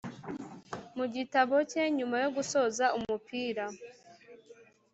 mu gitabo cye nyuma yo gusoza umupira,